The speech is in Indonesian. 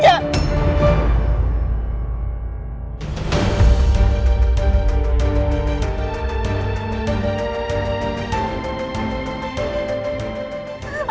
jangan putusas lagi